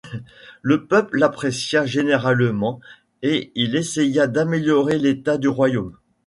Le peuple l'apprécia généralement, et il essaya d'améliorer l'état du royaume.